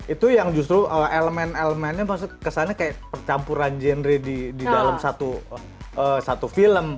itu yang justru elemen elemennya maksudnya kesannya kayak percampuran genre di dalam satu film